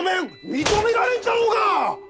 認められんじゃろうが！